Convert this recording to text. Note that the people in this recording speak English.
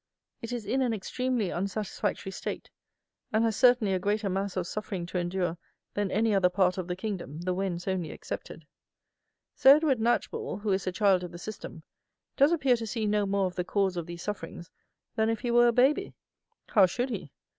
It is in an extremely "unsatisfactory state," and has certainly a greater mass of suffering to endure than any other part of the kingdom, the Wens only excepted. Sir EDWARD KNATCHBULL, who is a child of the System, does appear to see no more of the cause of these sufferings than if he were a baby. How should he?